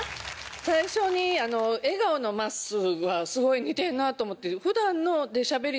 最初に笑顔のまっすーはすごい似てるなと思って。